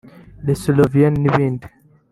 Le souverin n’ ibindi